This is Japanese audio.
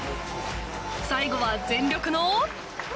最後は全力の。